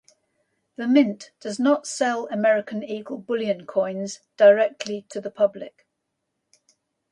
The mint does not sell American Eagle Bullion Coins directly to the public.